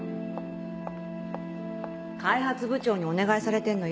開発部長にお願いされてんのよ？